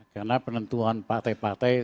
karena penentuan partai partai